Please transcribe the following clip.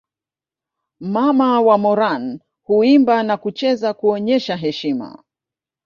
Mama wa Moran huimba na kucheza kuonyesha heshima